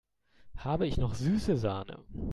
Habe ich noch süße Sahne?